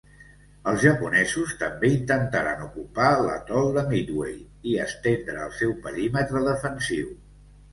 Els japonesos també intentaren ocupar l'atol de Midway i estendre el seu perímetre defensiu.